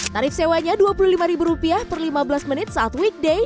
tarif sewanya rp dua puluh lima per lima belas menit saat weekday